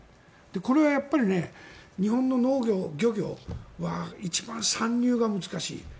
これは日本の農業、漁業は一番参入が難しい。